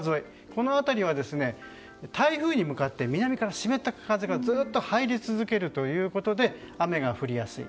この辺りは台風に向かって南から湿った風がずっと入り続けるということで雨が降りやすい。